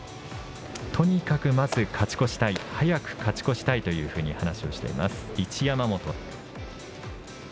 とにかくまず勝ち越したい、早く勝ち越したいというふうに話をしています、一山本。